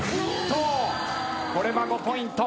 これは５ポイント。